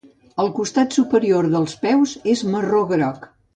El costat superior dels peus és marró-groc.